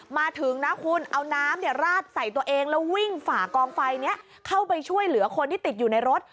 มาถึงนะคุณเอาน้ำราดใส่ตัวเองแล้ววิ่งฝ่ากองไฟนี้เข้าไปช่วยเหลือคนที่ติดอยู่ในรถ